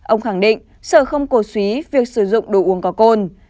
ông khẳng định sở không cố xúy việc sử dụng đồ uống có côn